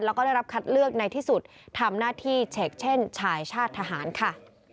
แล้วก็ได้รับคัดเลือกในที่สุดทำหน้าที่เฉกเช่นชายชาติทหารค่ะ